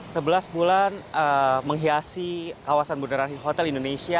sebelas bulan menghiasi kawasan budar hi hotel indonesia